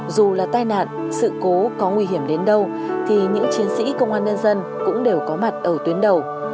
dù là tai nạn sự cố có nguy hiểm đến đâu thì những chiến sĩ công an nhân dân cũng đều có mặt ở tuyến đầu